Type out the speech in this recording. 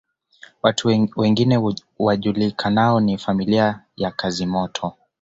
Watu wengine wajulikanao ni familia ya Kazimoto